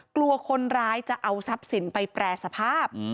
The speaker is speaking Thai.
กลัวคนร้ายจะเอาทรัพย์สินไปแปรสภาพ